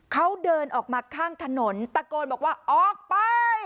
เขาเดินออกมาข้างถนนตะโกนบอกว่าออกไป